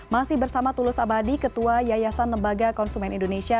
masih bersama tulus abadi ketua yayasan lembaga konsumen indonesia